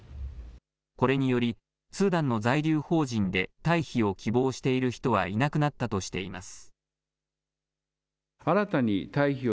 これによりスーダンの在留邦人で退避を希望している人はいなくなったとしています。